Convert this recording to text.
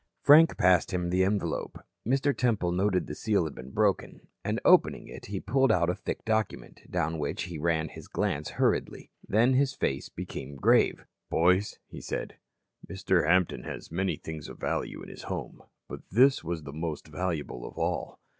Frank passed him the envelope. Mr. Temple noted the seal had been broken, and opening it he pulled out a thick document down which he ran his glance hurriedly. Then his face became grave. "Boys," he said, "Mr. Hampton has many things of value in his home, but this was the most valuable of all."